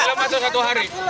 satu film atau satu hari